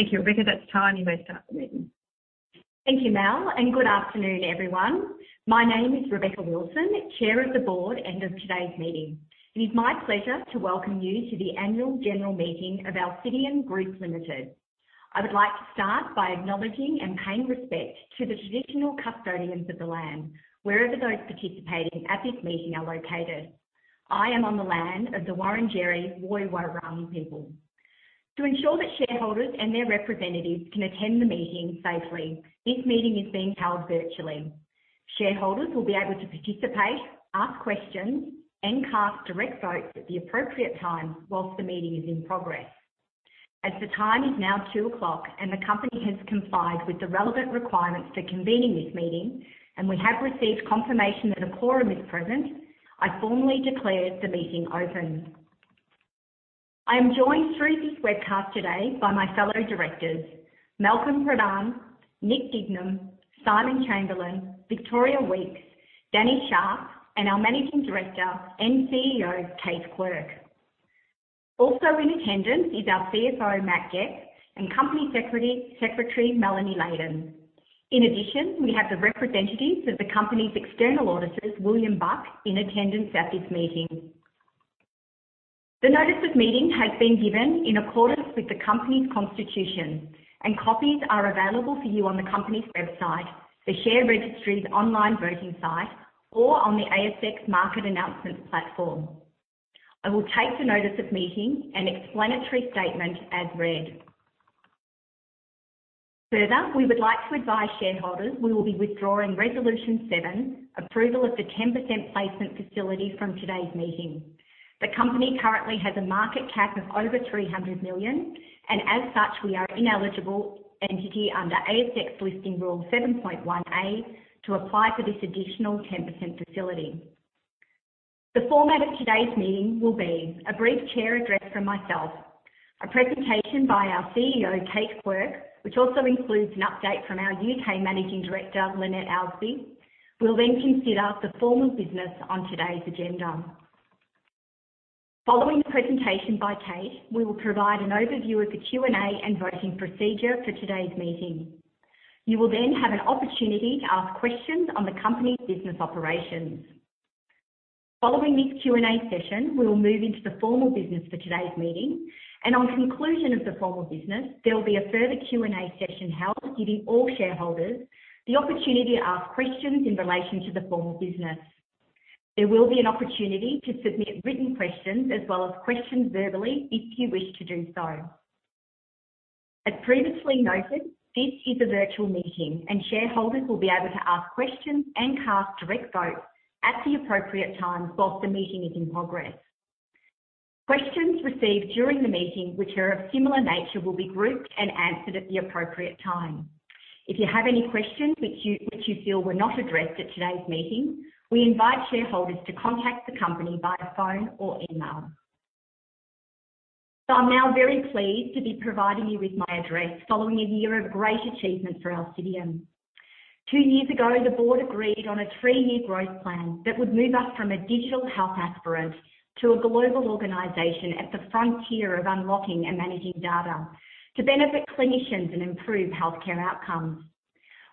Thank you, Rebecca. At this time, you may start the meeting. Thank you, Mel, and good afternoon, everyone. My name is Rebecca Wilson, Chair of the Board and of today's meeting. It is my pleasure to welcome you to the annual general meeting of Alcidion Group Limited. I would like to start by acknowledging and paying respect to the traditional custodians of the land, wherever those participating at this meeting are located. I am on the land of the Wurundjeri Woi-wurrung people. To ensure that shareholders and their representatives can attend the meeting safely, this meeting is being held virtually. Shareholders will be able to participate, ask questions, and cast direct votes at the appropriate time while the meeting is in progress. As the time is now 2:00 P.M. and the company has complied with the relevant requirements for convening this meeting, and we have received confirmation that a quorum is present, I formally declare the meeting open. I am joined through this webcast today by my fellow directors, Malcolm Pradhan, Nick Dignam, Simon Chamberlain, Victoria Weekes, Danny Sharp, and our Managing Director and CEO, Kate Quirke. Also in attendance is our CFO, Matt Gepp, and Company Secretary, Melanie Leydin. In addition, we have the representatives of the company's external auditors, William Buck, in attendance at this meeting. The notice of meeting has been given in accordance with the company's constitution, and copies are available for you on the company's website, the share registry's online voting site, or on the ASX Market Announcements platform. I will take the notice of meeting and explanatory statement as read. Further, we would like to advise shareholders we will be withdrawing Resolution 7, approval of the 10% placement facility from today's meeting. The company currently has a market cap of over 300 million, and as such, we are an ineligible entity under ASX Listing Rule 7.1A to apply for this additional 10% facility. The format of today's meeting will be a brief Chair address from myself, a presentation by our CEO, Kate Quirke, which also includes an update from our U.K. Managing Director, Lynette Ousby. We'll then consider the formal business on today's agenda. Following the presentation by Kate, we will provide an overview of the Q&A and voting procedure for today's meeting. You will then have an opportunity to ask questions on the company's business operations. Following this Q&A session, we will move into the formal business for today's meeting, and on conclusion of the formal business, there will be a further Q&A session held, giving all shareholders the opportunity to ask questions in relation to the formal business. There will be an opportunity to submit written questions as well as questions verbally if you wish to do so. As previously noted, this is a virtual meeting, and shareholders will be able to ask questions and cast direct votes at the appropriate time while the meeting is in progress. Questions received during the meeting which are of similar nature will be grouped and answered at the appropriate time. If you have any questions which you feel were not addressed at today's meeting, we invite shareholders to contact the company via phone or email. I'm now very pleased to be providing you with my address following a year of great achievement for Alcidion. Two years ago, the Board agreed on a three-year growth plan that would move us from a digital health aspirant to a global organization at the frontier of unlocking and managing data to benefit clinicians and improve healthcare outcomes.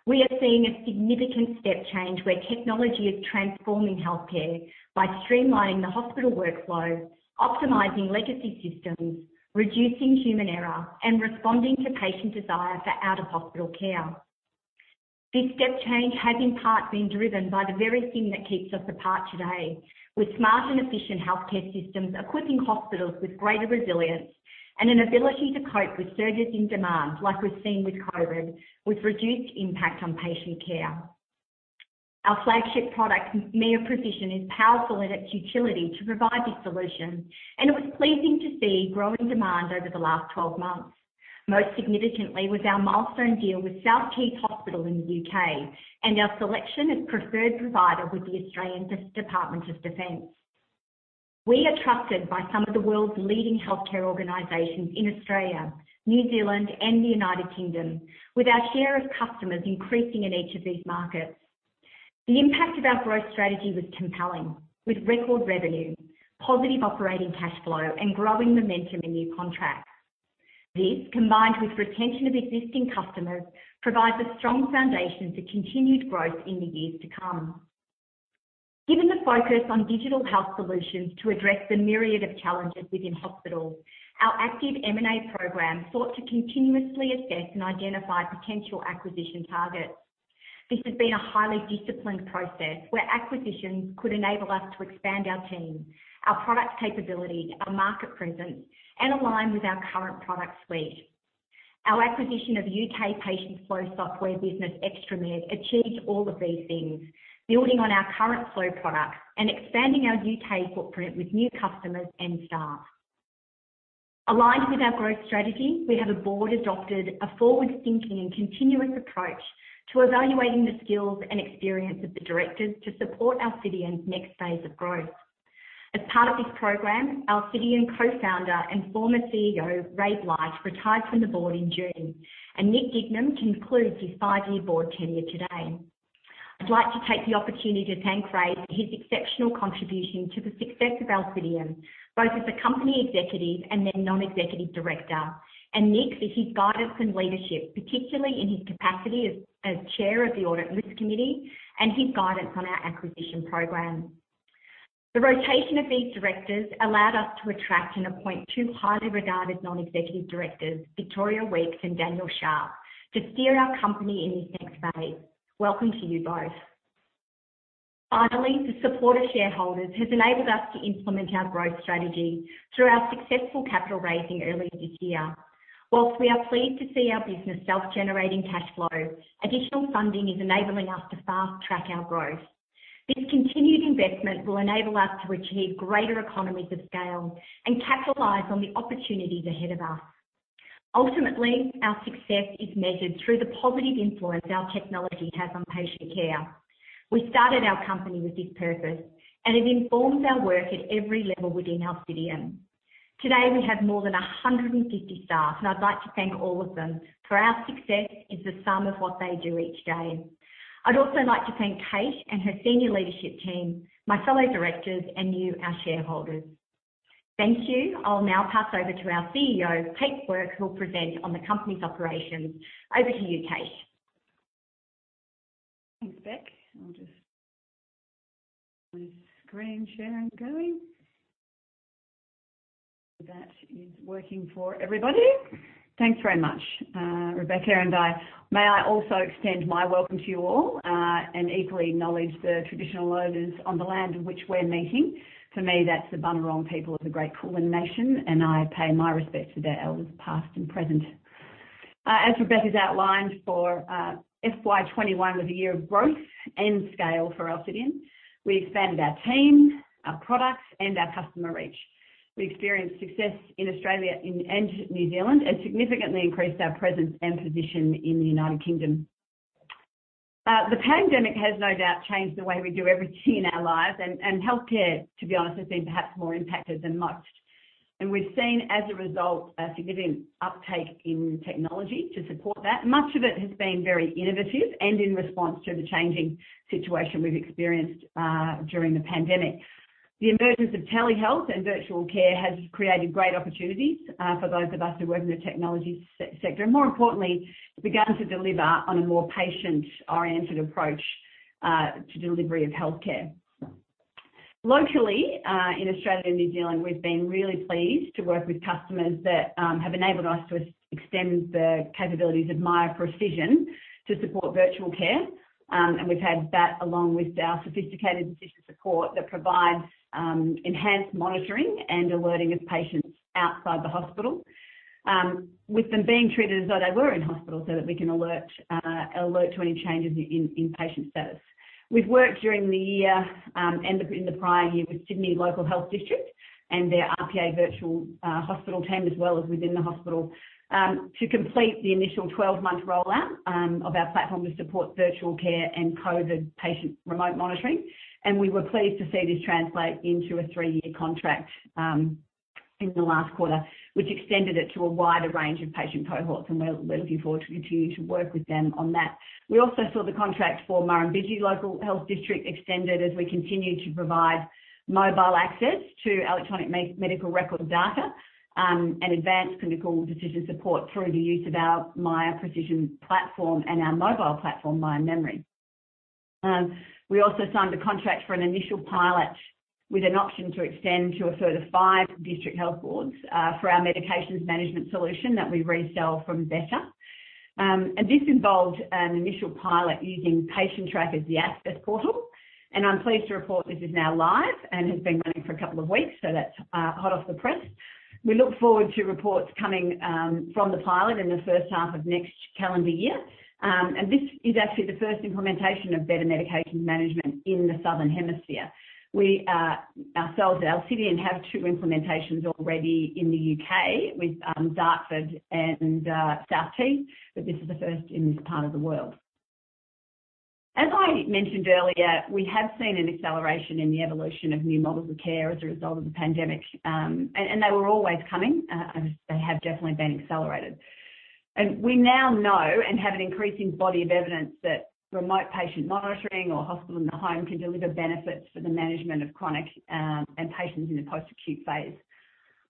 We are seeing a significant step change where technology is transforming healthcare by streamlining the hospital workflow, optimizing legacy systems, reducing human error, and responding to patient desire for out-of-hospital care. This step change has in part been driven by the very thing that keeps us apart today, with smart and efficient healthcare systems equipping hospitals with greater resilience and an ability to cope with surges in demand, like we've seen with COVID, with reduced impact on patient care. Our flagship product, Miya Precision, is powerful in its utility to provide this solution, and it was pleasing to see growing demand over the last 12 months. Most significantly was our milestone deal with South Tees Hospital in the U.K. and our selection as preferred provider with the Australian Department of Defence. We are trusted by some of the world's leading healthcare organizations in Australia, New Zealand, and the United Kingdom, with our share of customers increasing in each of these markets. The impact of our growth strategy was compelling, with record revenue, positive operating cash flow, and growing momentum in new contracts. This, combined with retention of existing customers, provides a strong foundation for continued growth in the years to come. Given the focus on digital health solutions to address the myriad of challenges within hospitals, our active M&A program sought to continuously assess and identify potential acquisition targets. This has been a highly disciplined process where acquisitions could enable us to expand our team, our product capability, our market presence, and align with our current product suite. Our acquisition of U.K. patient flow software business, ExtraMed, achieves all of these things, building on our current flow products and expanding our U.K. footprint with new customers and staff. Aligned with our growth strategy, the board has adopted a forward-thinking and continuous approach to evaluating the skills and experience of the directors to support Alcidion's next phase of growth. As part of this program, Alcidion Co-Founder and former CEO, Ray Blight, retired from the Board in June, and Nick Dignam concludes his five-year board tenure today. I'd like to take the opportunity to thank Ray for his exceptional contribution to the success of Alcidion, both as a Company Xxecutive and then Non-Executive Director. Nick for his guidance and leadership, particularly in his capacity as Chair of the Audit and Risk Committee and his guidance on our acquisition program. The rotation of these directors allowed us to attract and appoint two highly regarded Non-Executive Directors, Victoria Weekes and Daniel Sharp, to steer our company in this next phase. Welcome to you both. Finally, the support of shareholders has enabled us to implement our growth strategy through our successful capital raising earlier this year. While we are pleased to see our business self-generating cash flow, additional funding is enabling us to fast-track our growth. This continued investment will enable us to achieve greater economies of scale and capitalize on the opportunities ahead of us. Ultimately, our success is measured through the positive influence our technology has on patient care. We started our company with this purpose, and it informs our work at every level within Alcidion. Today, we have more than 150 staff, and I'd like to thank all of them, for our success is the sum of what they do each day. I'd also like to thank Kate Quirke and her senior leadership team, my fellow directors, and you, our shareholders. Thank you. I'll now pass over to our CEO, Kate Quirke, who will present on the company's operations. Over to you, Kate. Thanks, Bec. I'll just get my screen sharing going. That is working for everybody. Thanks very much, Rebecca, and I may also extend my welcome to you all, and equally acknowledge the traditional owners on the land on which we're meeting. For me, that's the Bunurong people of the great Kulin nation, and I pay my respects to their elders, past and present. As Rebecca's outlined, FY 2021 was a year of growth and scale for Alcidion. We expanded our team, our products, and our customer reach. We experienced success in Australia and New Zealand and significantly increased our presence and position in the United Kingdom. The pandemic has no doubt changed the way we do everything in our lives, and healthcare, to be honest, has been perhaps more impacted than most. We've seen, as a result, a significant uptake in technology to support that. Much of it has been very innovative and in response to the changing situation we've experienced during the pandemic. The emergence of telehealth and virtual care has created great opportunities for those of us who work in the technology sector, and more importantly, begun to deliver on a more patient-oriented approach to delivery of healthcare. Locally, in Australia and New Zealand, we've been really pleased to work with customers that have enabled us to extend the capabilities of Miya Precision to support virtual care. We've had that along with our sophisticated decision support that provides enhanced monitoring and alerting of patients outside the hospital, with them being treated as though they were in hospital so that we can alert to any changes in patient status. We've worked during the year in the prior year with Sydney Local Health District and their RPA virtual hospital team, as well as within the hospital, to complete the initial 12-month rollout of our platform to support virtual care and COVID patient remote monitoring. We were pleased to see this translate into a three-year contract in the last quarter, which extended it to a wider range of patient cohorts, and we're looking forward to continue to work with them on that. We also saw the contract for Murrumbidgee Local Health District extended as we continue to provide mobile access to electronic medical record data, and advanced clinical decision support through the use of our Miya Precision platform and our mobile platform, Miya Memory. We also signed a contract for an initial pilot with an option to extend to a further five district health boards, for our medications management solution that we resell from Better. And this involved an initial pilot using Patientrack as the access portal, and I'm pleased to report this is now live and has been running for a couple of weeks, so that's hot off the press. We look forward to reports coming from the pilot in the first half of next calendar year. And this is actually the first implementation of Better Medication Management in the Southern Hemisphere. We ourselves at Alcidion have two implementations already in the U.K. with Dartford and South Tees, but this is the first in this part of the world. As I mentioned earlier, we have seen an acceleration in the evolution of new models of care as a result of the pandemic, and they were always coming as they have definitely been accelerated. We now know and have an increasing body of evidence that remote patient monitoring or hospital in the home can deliver benefits for the management of chronic and patients in the post-acute phase.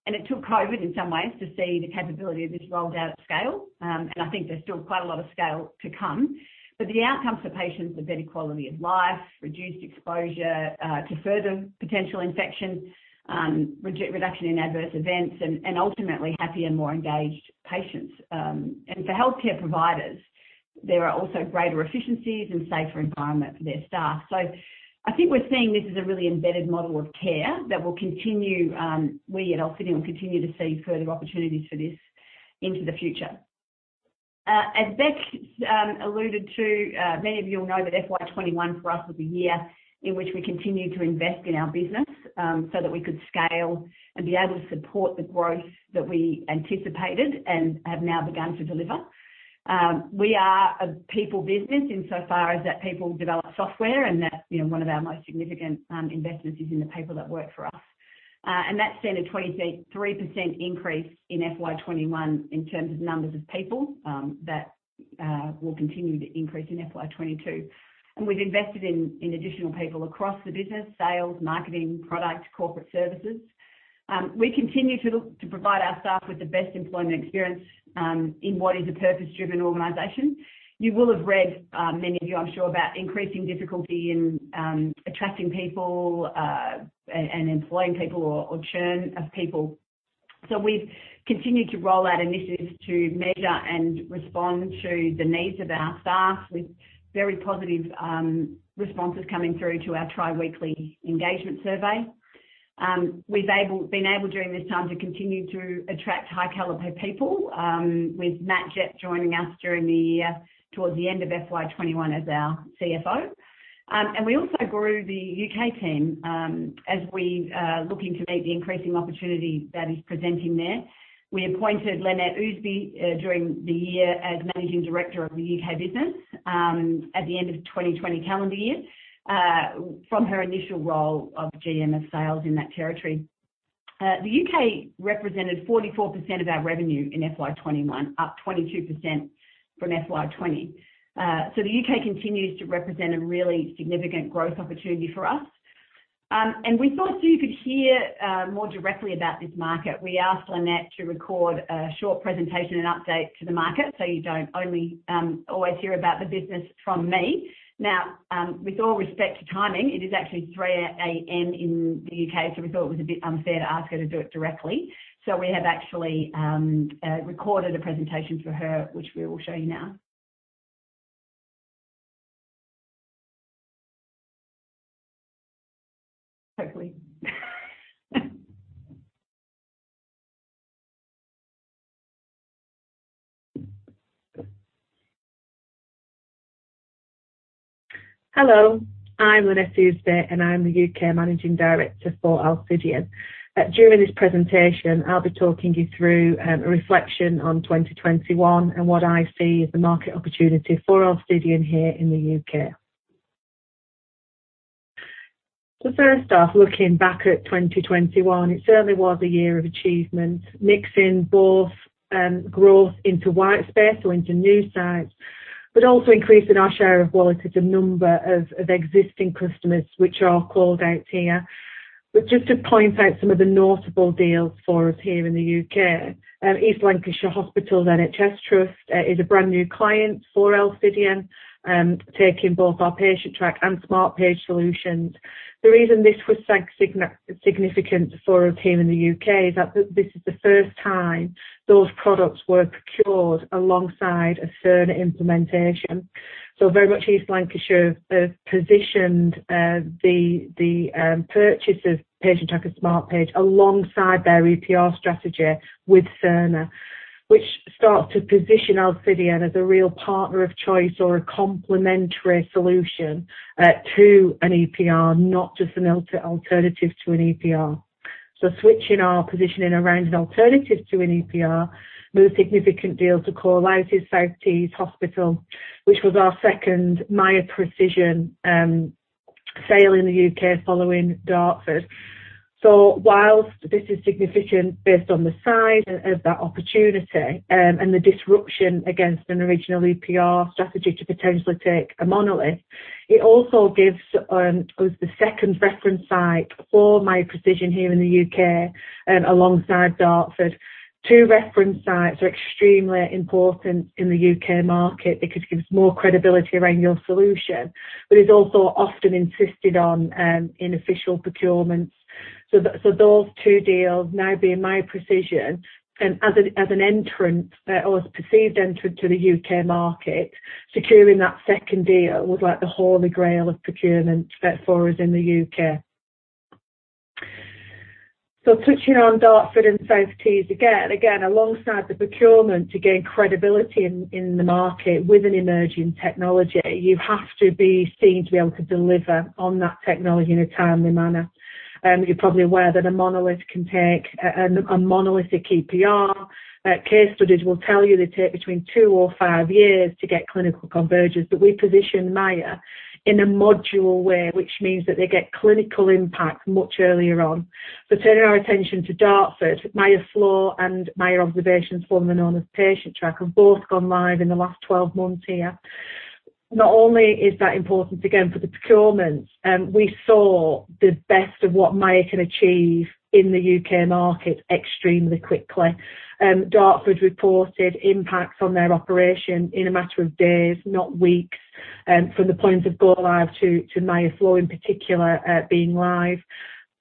It took COVID in some ways to see the capability of this rolled out at scale, and I think there's still quite a lot of scale to come. The outcomes for patients are better quality of life, reduced exposure to further potential infection, reduction in adverse events, and ultimately, happier, more engaged patients. For healthcare providers, there are also greater efficiencies and safer environment for their staff. I think we're seeing this as a really embedded model of care that will continue. We at Alcidion continue to see further opportunities for this into the future. As Becs alluded to, many of you will know that FY 2021 for us was a year in which we continued to invest in our business, so that we could scale and be able to support the growth that we anticipated and have now begun to deliver. We are a people business insofar as that people develop software, and that's, you know, one of our most significant investments is in the people that work for us. That's then a 23% increase in FY 2021 in terms of numbers of people that will continue to increase in FY 2022. We've invested in additional people across the business sales, marketing, product, corporate services. We continue to look to provide our staff with the best employment experience in what is a purpose-driven organization. You will have read, many of you, I'm sure about increasing difficulty in attracting people and employing people or churn of people. We've continued to roll out initiatives to measure and respond to the needs of our staff with very positive responses coming through to our tri-weekly engagement survey. We've been able during this time to continue to attract high caliber people, with Matt Gepp joining us during the year towards the end of FY 2021 as our CFO. We also grew the U.K. team as we're looking to meet the increasing opportunity that is presenting there. We appointed Lynette Ousby during the year as Managing Director of the U.K. business, at the end of 2020 calendar year, from her initial role of GM of Sales in that territory. The U.K. represented 44% of our revenue in FY 2021, up 22% from FY 2020. The U.K. continues to represent a really significant growth opportunity for us. We thought you could hear more directly about this market. We asked Lynette to record a short presentation and update to the market, so you don't only always hear about the business from me. Now, with all respect to timing, it is actually 3:00 A.M. in the U.K., so we thought it was a bit unfair to ask her to do it directly. We have actually recorded a presentation for her, which we will show you now. Hopefully. Hello, I'm Lynette Ousby, and I'm the U.K. Managing Director for Alcidion. During this presentation, I'll be talking you through a reflection on 2021 and what I see as the market opportunity for Alcidion here in the U.K. First off, looking back at 2021, it certainly was a year of achievement, mixing both growth into white space or into new sites, but also increasing our share of wallet at a number of existing customers, which are called out here. Just to point out some of the notable deals for us here in the U.K. East Lancashire Hospital NHS Trust is a brand new client for Alcidion, taking both our Patientrack and Smartpage solutions. The reason this was significant for us here in the U.K. is that this is the first time those products were procured alongside a Cerner implementation. Very much East Lancashire have positioned the purchase of Patientrack and Smartpage alongside their EPR strategy with Cerner, which starts to position Alcidion as a real partner of choice or a complementary solution to an EPR, not just an alternative to an EPR. Switching our positioning around an alternative to an EPR, the significant deal to call out is South Tees Hospital, which was our second Miya Precision sale in the U.K. following Dartford. Whilst this is significant based on the size of that opportunity and the disruption against an original EPR strategy to potentially take a monolith, it also gives us the second reference site for Miya Precision here in the U.K. alongside Dartford. Two reference sites are extremely important in the U.K. market because it gives more credibility around your solution, but it's also often insisted on in official procurements. Those two deals now being Miya Precision as an entrant or as perceived entrant to the U.K. market, securing that second deal was like the holy grail of procurement for us in the U.K. Touching on Dartford and South Tees again. Again, alongside the procurement to gain credibility in the market with an emerging technology, you have to be seen to be able to deliver on that technology in a timely manner. You're probably aware that a monolith can take a monolithic EPR. Case studies will tell you they take between two or five years to get clinical convergence, but we position Miya in a modular way, which means that they get clinical impact much earlier on. Turning our attention to Dartford, Miya Flow and Miya Observations, formerly known as Patientrack, have both gone live in the last 12 months here. Not only is that important again for the procurement, we saw the best of what Miya can achieve in the U.K. market extremely quickly. Dartford reported impacts on their operations in a matter of days, not weeks, from the point of go-live to Miya Flow in particular being live.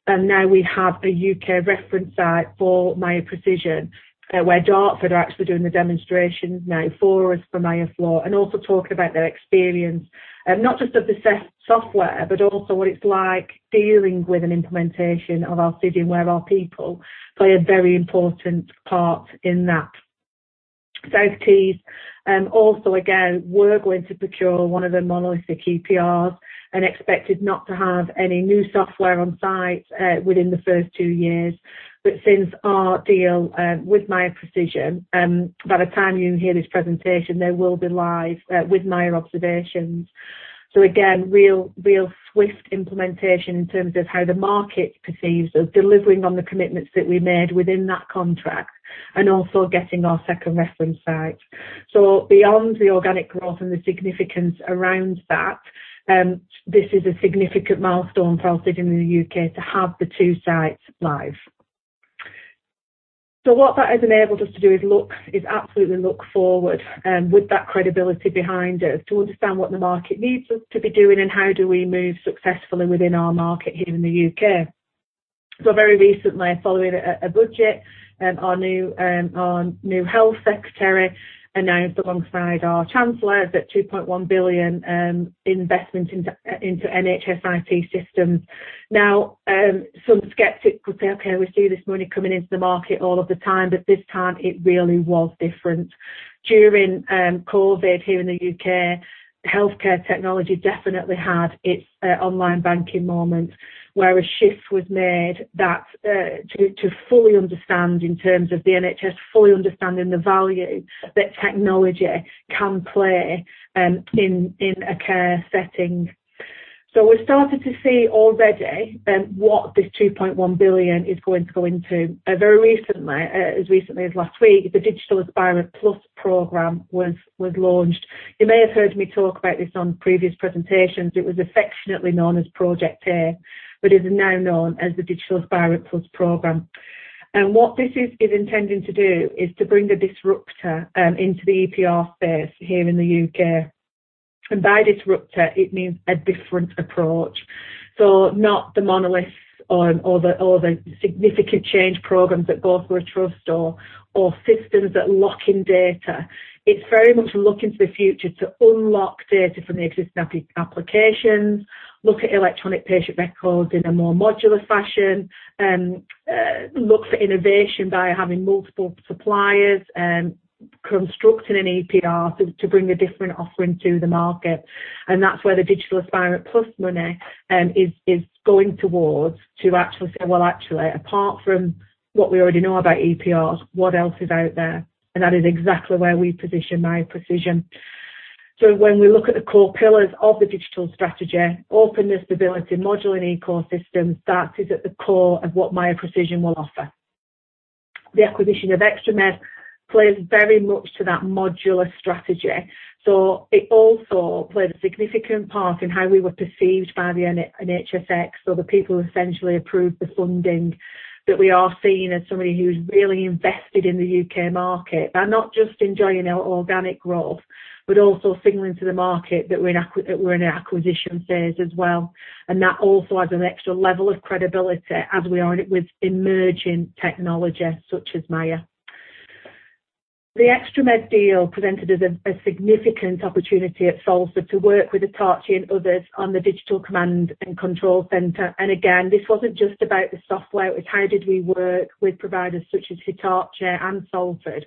Now we have a U.K. reference site for Miya Precision, where Dartford are actually doing the demonstrations now for us for Miya Flow and also talking about their experience, not just of the software, but also what it's like dealing with an implementation of Alcidion, where our people play a very important part in that. South Tees also again were going to procure one of the monolithic EPRs and expected not to have any new software on site within the first two years. Since our deal with Miya Precision, by the time you hear this presentation, they will be live with Miya Observations. Again, real swift implementation in terms of how the market perceives us delivering on the commitments that we made within that contract and also getting our second reference site. Beyond the organic growth and the significance around that, this is a significant milestone for us in the U.K. to have the two sites live. What that has enabled us to do is absolutely look forward and with that credibility behind us to understand what the market needs us to be doing and how do we move successfully within our market here in the U.K. Very recently, following a budget our new Health Secretary announced alongside our Chancellor that 2.1 billion investment into NHS IT systems. Now, some skeptics would say, okay, we see this money coming into the market all of the time, but this time it really was different. During COVID here in the U.K., healthcare technology definitely had its online banking moment, where a shift was made to fully understand in terms of the NHS the value that technology can play in a care setting. We're starting to see already what this 2.1 billion is going to go into. Very recently, as recently as last week, the Digital Aspirant Plus program was launched. You may have heard me talk about this on previous presentations. It was affectionately known as Project A, but is now known as the Digital Aspirant Plus program. What this is intending to do is to bring a disruptor into the EPR space here in the U.K. By disruptor, it means a different approach. Not the monoliths or the significant change programs that go through a trust or systems that lock in data. It's very much looking to the future to unlock data from the existing applications, look at electronic patient records in a more modular fashion, look for innovation by having multiple suppliers, constructing an EPR to bring a different offering to the market. That's where the Digital Aspirant Plus money is going towards to actually say, "Well, actually, apart from what we already know about EPRs, what else is out there?" That is exactly where we position Miya Precision. When we look at the core pillars of the digital strategy, openness, stability, modular and ecosystems, that is at the core of what Miya Precision will offer. The acquisition of ExtraMed plays very much to that modular strategy. It also played a significant part in how we were perceived by the NHSX or the people who essentially approved the funding that we are seen as somebody who's really invested in the U.K. market. By not just enjoying our organic growth, but also signaling to the market that we're in an acquisition phase as well. That also adds an extra level of credibility as we are with emerging technologies such as Miya. The ExtraMed deal presented us a significant opportunity at Salford to work with Hitachi and others on the digital command and control center. Again, this wasn't just about the software. It was how did we work with providers such as Hitachi and Salford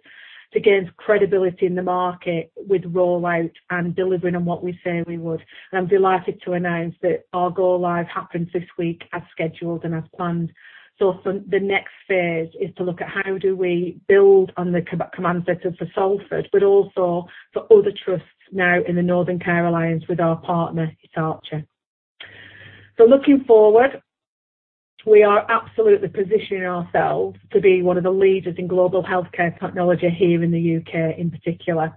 to gain credibility in the market with rollout and delivering on what we say we would. I'm delighted to announce that our go-live happened this week as scheduled and as planned. For the next phase is to look at how do we build on the command centers for Salford, but also for other trusts now in the Northern Care Alliance with our partner, Hitachi. Looking forward, we are absolutely positioning ourselves to be one of the leaders in global healthcare technology here in the U.K. in particular.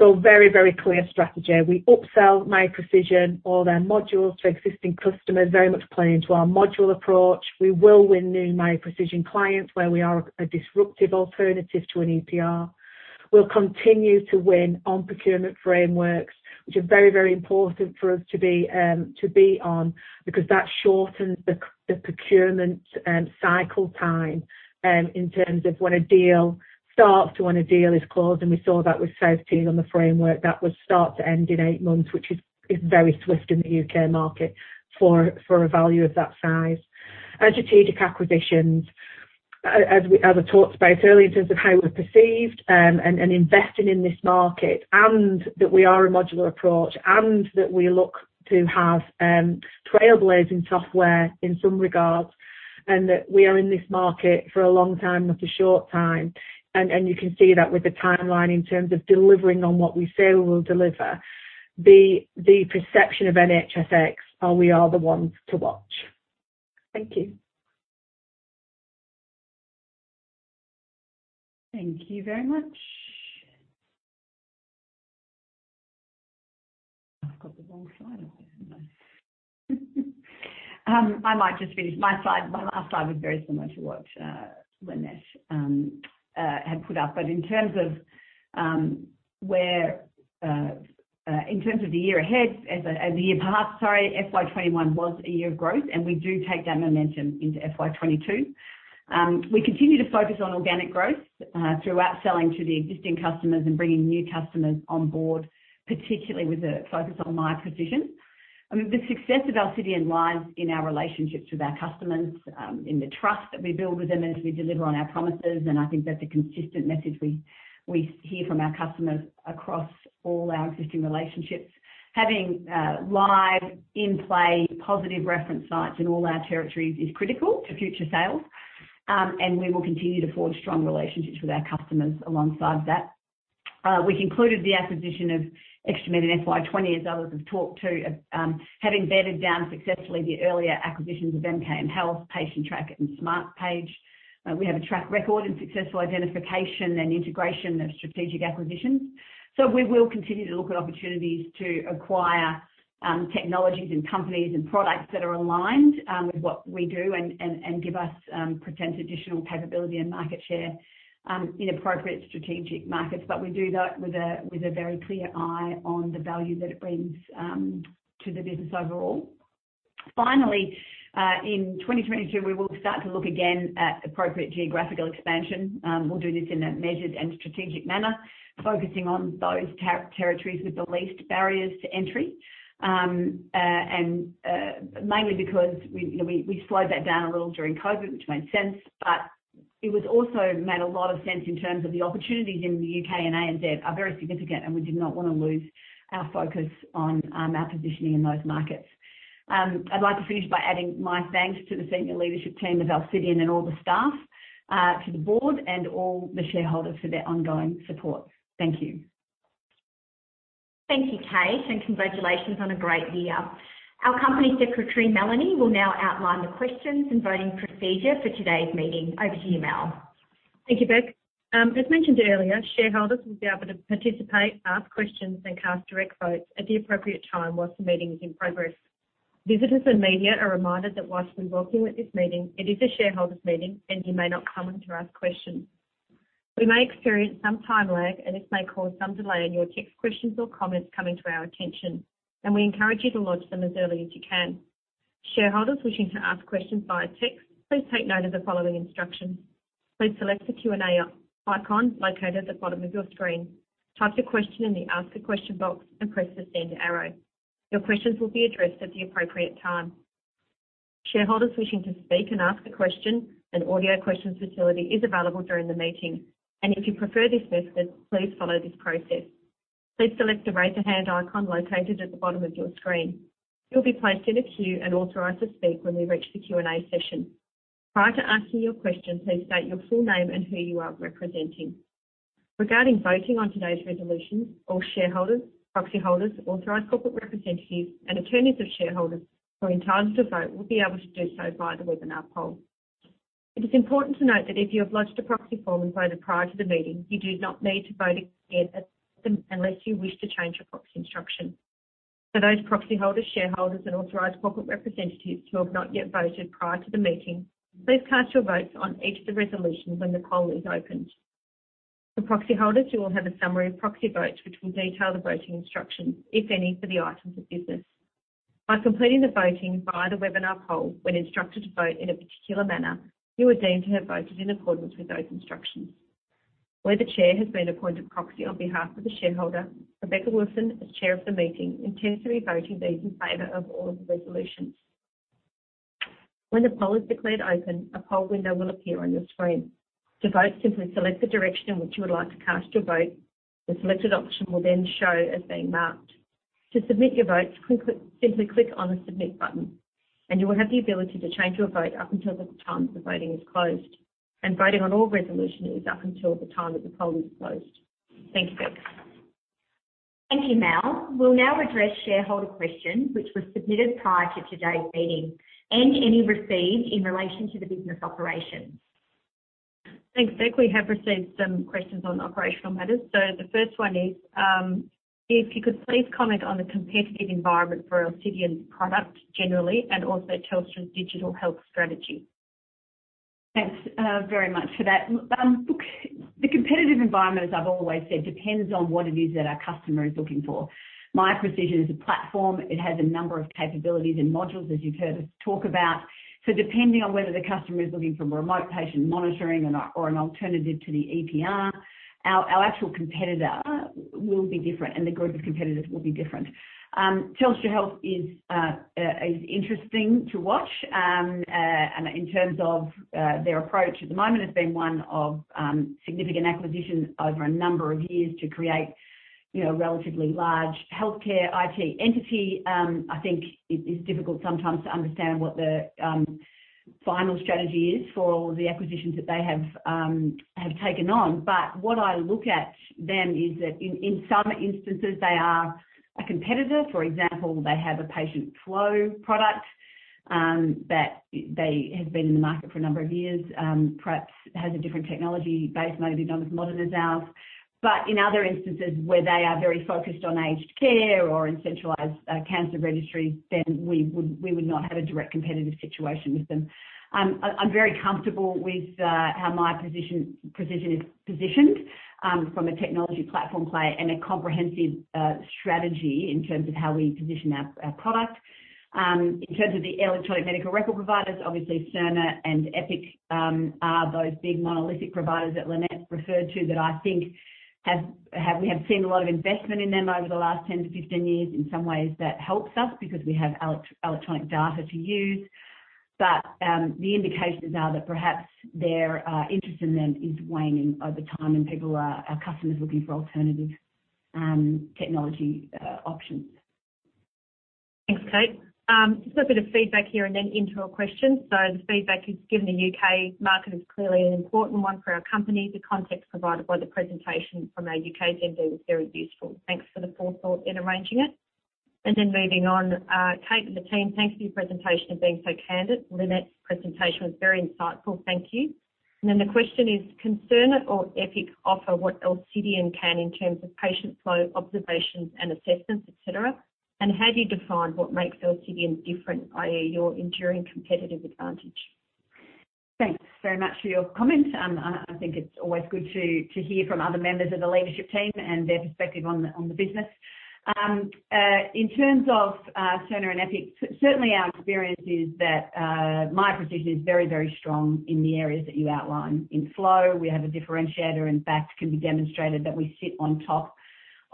Very, very clear strategy. We upsell Miya Precision or their modules to existing customers, very much playing to our module approach. We will win new Miya Precision clients where we are a disruptive alternative to an EPR. We'll continue to win on procurement frameworks, which are very, very important for us to be on because that shortens the procurement cycle time in terms of when a deal starts to when a deal is closed, and we saw that with South Tees on the framework. That was start to end in eight months, which is very swift in the U.K. market for a value of that size. Strategic acquisitions. As I talked about earlier, in terms of how we're perceived, and investing in this market and that we are a modular approach, and that we look to have trailblazing software in some regards, and that we are in this market for a long time, not a short time. You can see that with the timeline in terms of delivering on what we say we'll deliver, the perception of NHSX are we are the ones to watch. Thank you. Thank you very much. I've got the wrong slide up. I might just finish my slide. My last slide was very similar to what Lynette had put up. In terms of the year ahead, as the year passed, sorry, FY 2021 was a year of growth, and we do take that momentum into FY 2022. We continue to focus on organic growth through upselling to the existing customers and bringing new customers on board, particularly with a focus on Miya Precision. I mean, the success of our Alicidion lies in our relationships with our customers, in the trust that we build with them as we deliver on our promises. I think that's a consistent message we hear from our customers across all our existing relationships. Having live in play positive reference sites in all our territories is critical to future sales. We will continue to forge strong relationships with our customers alongside that. We concluded the acquisition of ExtraMed in FY 2020, as others have talked about, having bedded down successfully the earlier acquisitions of MKM Health, Patientrack, and Smartpage. We have a track record in successful identification and integration of strategic acquisitions. We will continue to look at opportunities to acquire technologies and companies and products that are aligned with what we do and give us potential additional capability and market share in appropriate strategic markets. We do that with a very clear eye on the value that it brings to the business overall. Finally, in 2022, we will start to look again at appropriate geographical expansion. We'll do this in a measured and strategic manner, focusing on those territories with the least barriers to entry, mainly because, you know, we slowed that down a little during COVID, which made sense, but it also made a lot of sense in terms of the opportunities in the U.K. and ANZ are very significant, and we did not wanna lose our focus on our positioning in those markets. I'd like to finish by adding my thanks to the senior leadership team of Alcidion and all the staff, to the Board and all the shareholders for their ongoing support. Thank you. Thank you, Kate, and congratulations on a great year. Our Company Secretary, Melanie, will now outline the questions and voting procedure for today's meeting. Over to you, Mel. Thank you, Bec. As mentioned earlier, shareholders will be able to participate, ask questions, and cast direct votes at the appropriate time whilst the meeting is in progress. Visitors and media are reminded that whilst we welcome you at this meeting, it is a shareholders' meeting and you may not comment or ask questions. We may experience some time lag, and this may cause some delay in your text questions or comments coming to our attention, and we encourage you to lodge them as early as you can. Shareholders wishing to ask questions via text, please take note of the following instructions. Please select the Q&A icon located at the bottom of your screen. Type the question in the Ask a Question box and press the send arrow. Your questions will be addressed at the appropriate time. Shareholders wishing to speak and ask a question. An audio question facility is available during the meeting. If you prefer this method, please follow this process. Please select the Raise a Hand icon located at the bottom of your screen. You'll be placed in a queue and authorized to speak when we reach the Q&A session. Prior to asking your question, please state your full name and who you are representing. Regarding voting on today's resolutions, all shareholders, proxyholders, authorized corporate representatives, and attorneys of shareholders who are entitled to vote will be able to do so via the webinar poll. It is important to note that if you have lodged a proxy form and voted prior to the meeting, you do not need to vote again unless you wish to change your proxy instruction. For those proxyholders, shareholders, and authorized corporate representatives who have not yet voted prior to the meeting, please cast your votes on each of the resolutions when the poll is opened. For proxyholders, you will have a summary of proxy votes, which will detail the voting instructions, if any, for the items of business. By completing the voting via the webinar poll when instructed to vote in a particular manner, you are deemed to have voted in accordance with those instructions. Where the Chair has been appointed proxy on behalf of the shareholder, Rebecca Wilson, as Chair of the meeting, intends to be voting these in favor of all of the resolutions. When the poll is declared open, a poll window will appear on your screen. To vote, simply select the direction in which you would like to cast your vote. The selected option will then show as being marked. To submit your votes, simply click on the Submit button, and you will have the ability to change your vote up until the time that the voting is closed. Voting on all resolutions is up until the time that the poll is closed. Thank you, Bec. Thank you, Mel. We'll now address shareholder questions which were submitted prior to today's meeting and any received in relation to the business operations. Thanks, Bec. We have received some questions on operational matters. The first one is, if you could please comment on the competitive environment for Alcidion's product generally and also Telstra's Digital Health strategy? Thanks very much for that. Look, the competitive environment, as I've always said, depends on what it is that our customer is looking for. Miya Precision is a platform. It has a number of capabilities and modules, as you've heard us talk about. Depending on whether the customer is looking for remote patient monitoring or an alternative to the EPR, our actual competitor will be different and the group of competitors will be different. Telstra Health is interesting to watch, and in terms of their approach. At the moment, it's been one of significant acquisitions over a number of years to create, you know, a relatively large healthcare IT entity. I think it is difficult sometimes to understand what the final strategy is for all the acquisitions that they have taken on. What I look at then is that in some instances, they are a competitor. For example, they have a patient flow product that they have been in the market for a number of years, perhaps has a different technology base, maybe not as modern as ours. In other instances where they are very focused on aged care or in centralized cancer registries, then we would not have a direct competitive situation with them. I'm very comfortable with how Miya Precision is positioned from a technology platform play and a comprehensive strategy in terms of how we position our product. In terms of the electronic medical record providers, obviously, Cerner and Epic are those big monolithic providers that Lynette referred to that I think we have seen a lot of investment in them over the last 10 years-15 years. In some ways, that helps us because we have electronic data to use. The indications are that perhaps their interest in them is waning over time and our customers are looking for alternative technology options. Thanks, Kate. Just a bit of feedback here and then into a question. The feedback is, given the U.K. market is clearly an important one for our company, the context provided by the presentation from our U.K. GM was very useful. Thanks for the forethought in arranging it. Moving on, Kate and the team, thanks for your presentation and being so candid. Lynette's presentation was very insightful. Thank you. The question is, does Cerner or Epic offer what Alcidion can in terms of patient flow, observations and assessments, et cetera. How do you define what makes Alcidion different, i.e., your enduring competitive advantage? Thanks very much for your comment. I think it's always good to hear from other members of the leadership team and their perspective on the business. In terms of Cerner and Epic, certainly our experience is that our position is very strong in the areas that you outline. In Flow, we have a differentiator. In fact, it can be demonstrated that we sit on top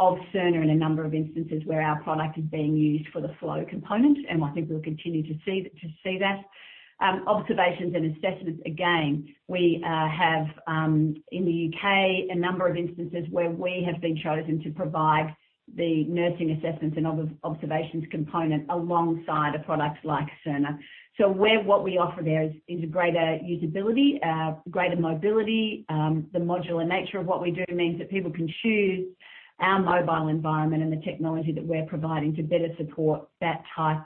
of Cerner in a number of instances where our product is being used for the Flow component, and I think we'll continue to see that. In observations and assessments, again, we have in the U.K. a number of instances where we have been chosen to provide the nursing assessments and observations component alongside the products like Cerner. What we offer there is a greater usability, greater mobility. The modular nature of what we do means that people can choose our mobile environment and the technology that we're providing to better support that type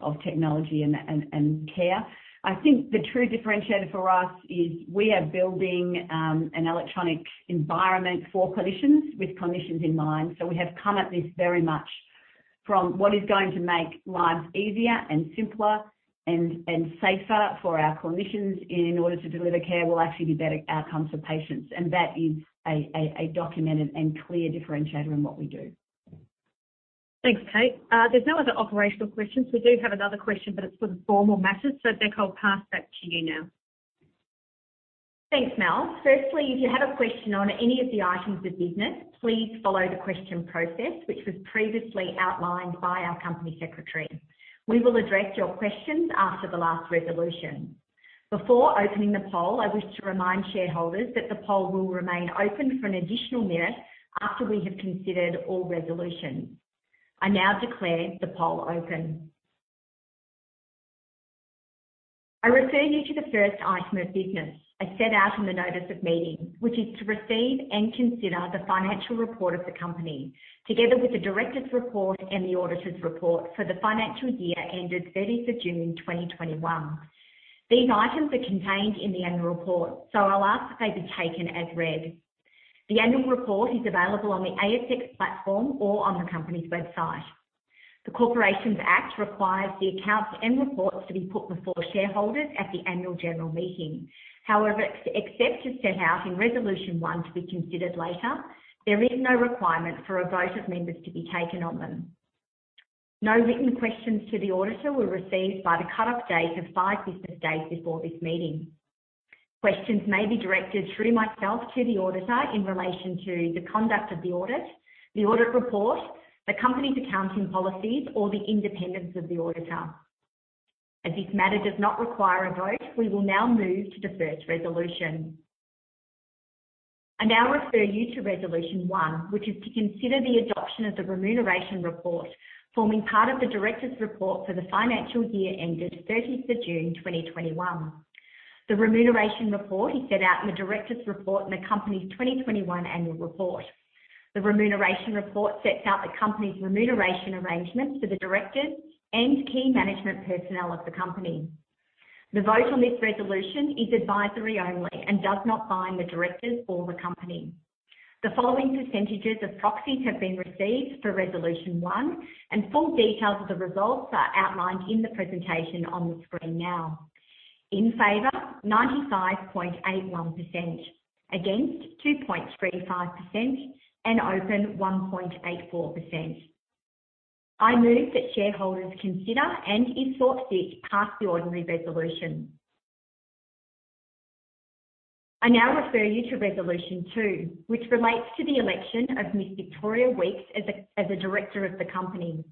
of technology and care. I think the true differentiator for us is we are building an electronic environment for clinicians with clinicians in mind. We have come at this very much from what is going to make lives easier and simpler and safer for our clinicians in order to deliver care will actually be better outcomes for patients. That is a documented and clear differentiator in what we do. Thanks, Kate. There's no other operational questions. We do have another question, but it's for the formal matters. Bec, I'll pass back to you now. Thanks, Mel. Firstly, if you have a question on any of the items of business, please follow the question process, which was previously outlined by our Company Secretary. We will address your questions after the last resolution. Before opening the poll, I wish to remind shareholders that the poll will remain open for an additional minute after we have considered all resolutions. I now declare the poll open. I refer you to the first item of business as set out in the notice of meeting, which is to receive and consider the financial report of the company, together with the Directors' report and the Auditor's report for the financial year ended June 30th, 2021. These items are contained in the annual report, so I'll ask that they be taken as read. The annual report is available on the ASX platform or on the company's website. The Corporations Act requires the accounts and reports to be put before shareholders at the annual general meeting. However, except as set out in Resolution 1 to be considered later, there is no requirement for a vote of members to be taken on them. No written questions to the auditor were received by the cut-off date of five business days before this meeting. Questions may be directed through myself to the auditor in relation to the conduct of the audit, the audit report, the company's accounting policies or the independence of the auditor. As this matter does not require a vote, we will now move to the first resolution. I now refer you to Resolution 1, which is to consider the adoption of the remuneration report, forming part of the Directors' report for the financial year ended June 30th, 2021. The remuneration report is set out in the Directors' report in the company's 2021 Annual Report. The remuneration report sets out the company's remuneration arrangements for the directors and key management personnel of the company. The vote on this resolution is advisory only and does not bind the directors or the company. The following percentages of proxies have been received for Resolution 1, and full details of the results are outlined in the presentation on the screen now. In favor, 95.81%, against 2.35%, and open 1.84%. I move that shareholders consider and, if thought fit, pass the ordinary resolution. I now refer you to Resolution 2, which relates to the election of Ms. Victoria Weekes as a Director of the company.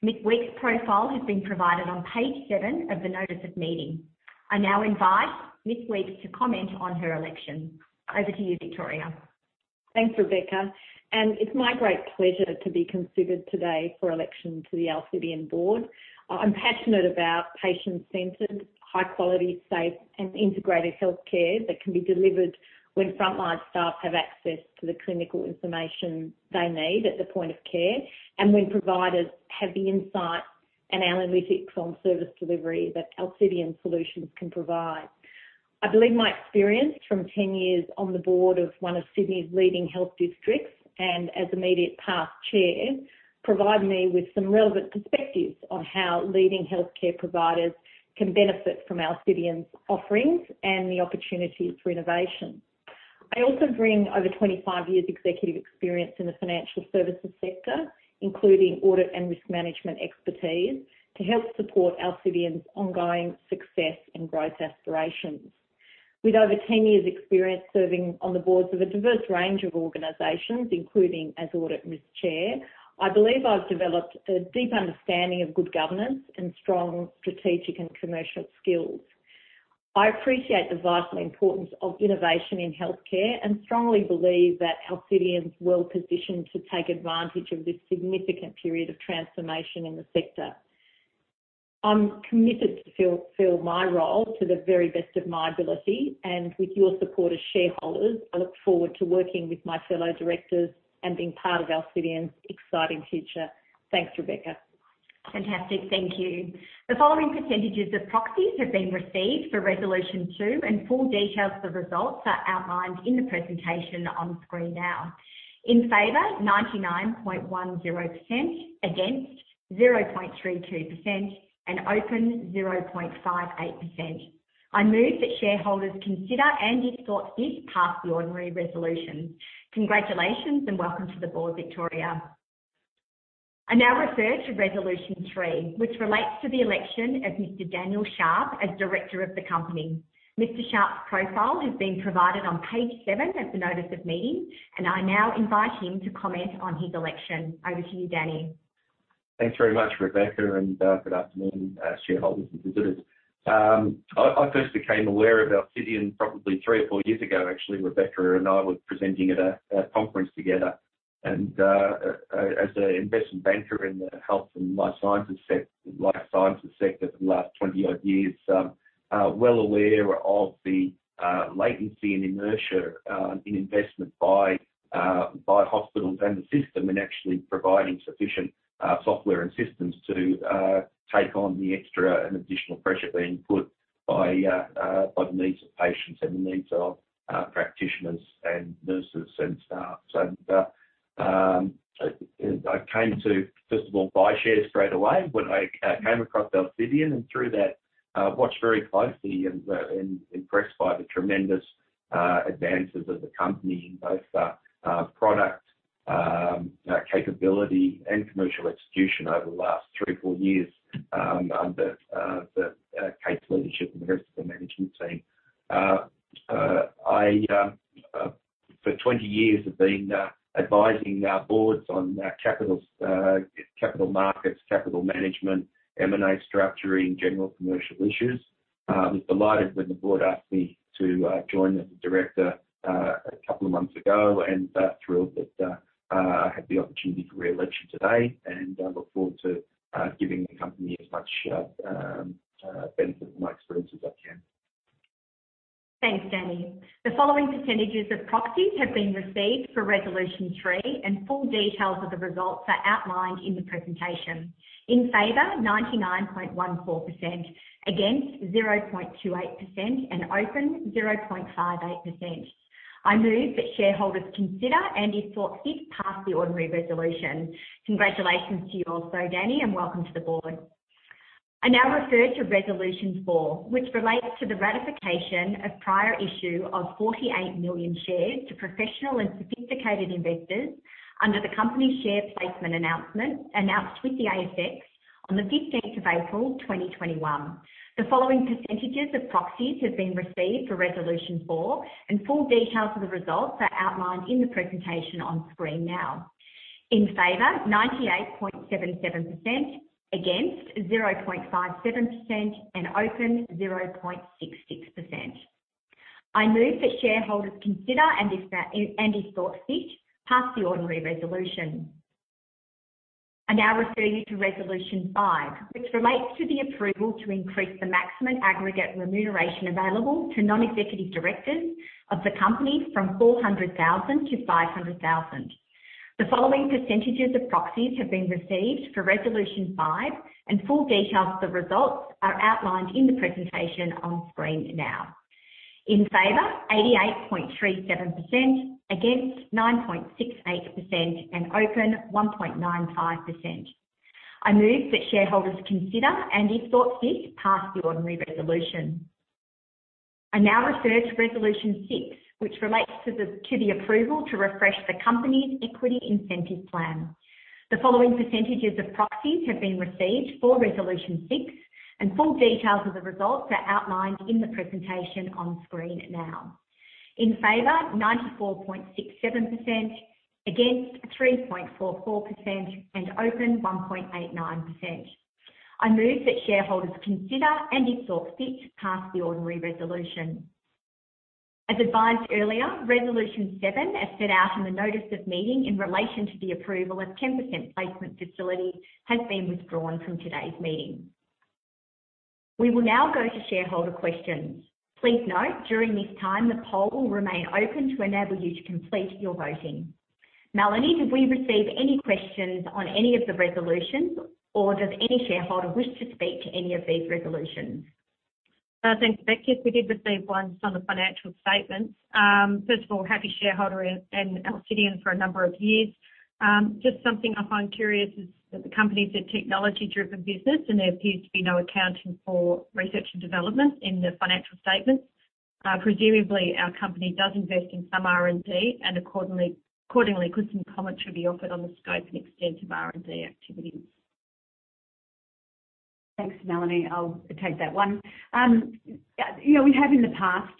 Ms. Weekes' profile has been provided on page seven of the notice of meeting. I now invite Ms. Weekes to comment on her election. Over to you, Victoria. Thanks, Rebecca, and it's my great pleasure to be considered today for election to the Alcidion Board. I'm passionate about patient-centered, high-quality, safe, and integrated healthcare that can be delivered when frontline staff have access to the clinical information they need at the point of care, and when providers have the insight and analytics on service delivery that Alcidion solutions can provide. I believe my experience from 10 years on the board of one of Sydney's leading health districts and as immediate past chair, provide me with some relevant perspectives on how leading healthcare providers can benefit from Alcidion's offerings and the opportunities for innovation. I also bring over 25 years executive experience in the financial services sector, including audit and risk management expertise to help support Alcidion's ongoing success and growth aspirations. With over 10 years' experience serving on the boards of a diverse range of organizations, including as audit risk chair, I believe I've developed a deep understanding of good governance and strong strategic and commercial skills. I appreciate the vital importance of innovation in healthcare and strongly believe that Alcidion is well positioned to take advantage of this significant period of transformation in the sector. I'm committed to fulfill my role to the very best of my ability and with your support as shareholders, I look forward to working with my fellow directors and being part of Alcidion's exciting future. Thanks, Rebecca. Fantastic. Thank you. The following percentages of proxies have been received for Resolution 2, and full details of the results are outlined in the presentation on screen now. In favor, 99.10%, against 0.32%, and open 0.58%. I move that shareholders consider and, if thought fit, pass the ordinary resolution. Congratulations and welcome to the board, Victoria. I now refer to Resolution 3, which relates to the election of Mr. Daniel Sharp as director of the company. Mr. Sharp's profile has been provided on page seven of the notice of meeting, and I now invite him to comment on his election. Over to you, Danny. Thanks very much, Rebecca, and good afternoon, shareholders and visitors. I first became aware of Alcidion probably three or four years ago, actually. Rebecca and I were presenting at a conference together and as an investment banker in the health and life sciences sector for the last 20-odd years, are well aware of the latency and inertia in investment by hospitals and the system in actually providing sufficient software and systems to take on the extra and additional pressure being put by the needs of patients and the needs of practitioners and nurses and staff. I came to, first of all, buy shares straight away when I came across Alcidion and through that watched very closely and impressed by the tremendous advances of the company in both product capability and commercial execution over the last three or four years under Kate's leadership and the rest of the management team. I for 20 years have been advising boards on capital markets, capital management, M&A structuring, general commercial issues. I was delighted when the Board asked me to join as a Director a couple of months ago, and thrilled that I had the opportunity for re-election today, and I look forward to giving the company as much benefit from my experience as I can. Thanks, Danny. The following percentages of proxies have been received for Resolution 3, and full details of the results are outlined in the presentation. In favor, 99.14%, against 0.28%, and open 0.58%. I move that shareholders consider and, if thought fit, pass the ordinary resolution. Congratulations to you also, Danny, and welcome to the Board. I now refer to Resolution 4, which relates to the ratification of prior issue of 48 million shares to professional and sophisticated investors under the company's share placement announcement, announced with the ASX on the April 15th, 2021. The following percentages of proxies have been received for Resolution 4, and full details of the results are outlined in the presentation on screen now. In favor, 98.77%, against 0.57%, and open 0.66%. I move that shareholders consider, and if thought fit, pass the ordinary resolution. I now refer you to Resolution 5, which relates to the approval to increase the maximum aggregate remuneration available to Non-Executive Directors of the company from 400,000-500,000. The following percentages of proxies have been received for Resolution 5, and full details of the results are outlined in the presentation on screen now. In favor, 88.37%, against 9.68%, and open 1.95%. I move that shareholders consider and, if thought fit, pass the ordinary resolution. I now refer to Resolution 6, which relates to the approval to refresh the company's equity incentive plan. The following percentages of proxies have been received for Resolution 6, and full details of the results are outlined in the presentation on screen now. In favor, 94.67%, against 3.44%, and open 1.89%. I move that shareholders consider and, if thought fit, pass the ordinary resolution. As advised earlier, Resolution 7, as set out in the notice of meeting in relation to the approval of 10% placement facility, has been withdrawn from today's meeting. We will now go to shareholder questions. Please note during this time, the poll will remain open to enable you to complete your voting. Melanie, did we receive any questions on any of the resolutions or does any shareholder wish to speak to any of these resolutions? Thanks, Bec. Yes, we did receive one on the financial statements. First of all, I've been a happy shareholder in Alcidion for a number of years. Just something I find curious is that the company is a technology-driven business and there appears to be no accounting for research and development in the financial statements. Presumably our company does invest in some R&D and accordingly, some comment should be offered on the scope and extent of R&D activities. Thanks, Melanie. I'll take that one. You know, we have in the past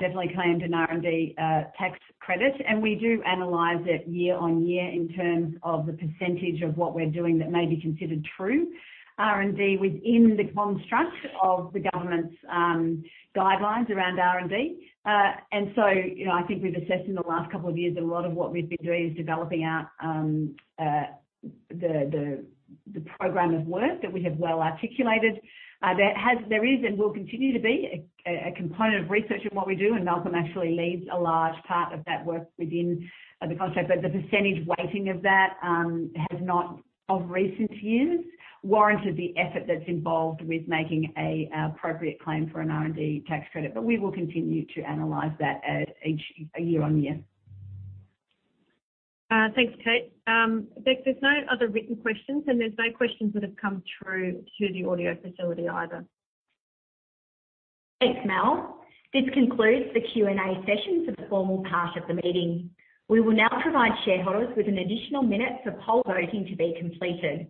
definitely claimed an R&D tax credit, and we do analyze it year on year in terms of the percentage of what we're doing that may be considered true. R&D within the construct of the government's guidelines around R&D. You know, I think we've assessed in the last couple of years a lot of what we've been doing is developing our program of work that we have well articulated. There is and will continue to be a component of research in what we do, and Malcolm actually leads a large part of that work within the context. The percentage weighting of that has not in recent years warranted the effort that's involved with making an appropriate claim for an R&D tax credit. We will continue to analyze that year on year. Thanks, Kate. There's no other written questions, and there's no questions that have come through to the audio facility either. Thanks, Mel. This concludes the Q&A session for the formal part of the meeting. We will now provide shareholders with an additional minutes of poll voting to be completed.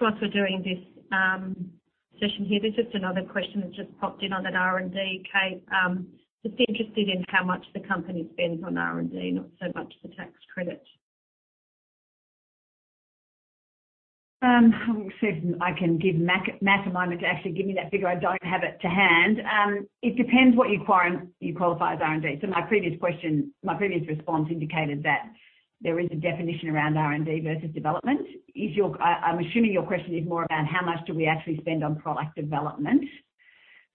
We're doing this session here, there's just another question that just popped in on that R&D, Kate. Just interested in how much the company spends on R&D, not so much the tax credit. Let me see if I can give Matt a moment to actually give me that figure. I don't have it to hand. It depends what you qualify as R&D. My previous response indicated that there is a definition around R&D versus development. I'm assuming your question is more about how much do we actually spend on product development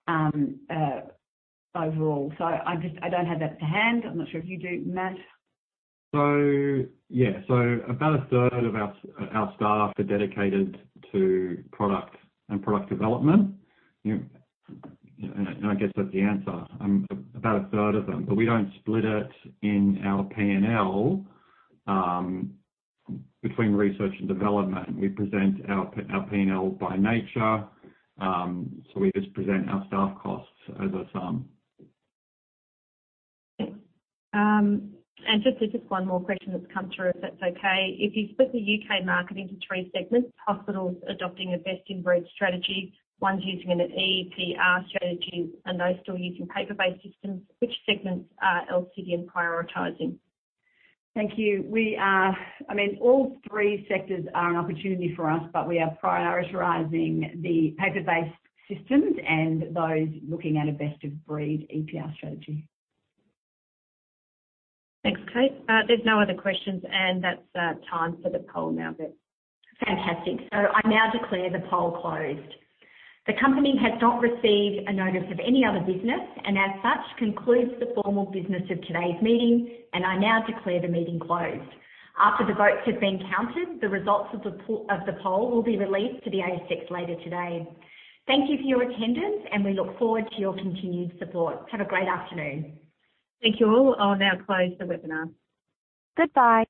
overall. I don't have that to hand. I'm not sure if you do, Matt. Yeah. About a third of our staff are dedicated to product and product development. I guess that's the answer, about a third of them. We don't split it in our P&L between research and development. We present our P&L by nature, so we just present our staff costs as a sum. There's just one more question that's come through, if that's okay. If you split the U.K. market into three segments, hospitals adopting a best-of-breed strategy, ones using an EPR strategy, and those still using paper-based systems, which segments are Alcidion prioritizing? Thank you. I mean, all three sectors are an opportunity for us, but we are prioritizing the paper-based systems and those looking at a best-of-breed EPR strategy. Thanks, Kate. There's no other questions, and that's time for the poll now, Bec. Fantastic. I now declare the poll closed. The company has not received a notice of any other business, and as such, concludes the formal business of today's meeting, and I now declare the meeting closed. After the votes have been counted, the results of the poll will be released to the ASX later today. Thank you for your attendance, and we look forward to your continued support. Have a great afternoon. Thank you all. I'll now close the webinar.